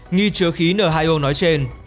nghi chứa khí n hai o nói trên